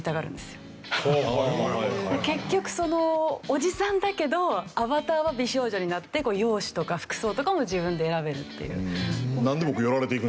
結局そのおじさんだけどアバターは美少女になって容姿とか服装とかも自分で選べるっていう。